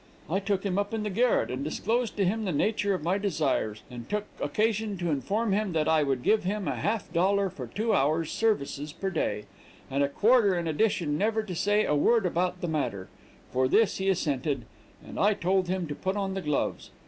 I took him up in the garret and disclosed to him the nature of my desires, and took occasion to inform him that I would give him a half dollar for two hours services per day, and a quarter in addition never to say a word about the matter; to this he assented, and I told him to put on the gloves.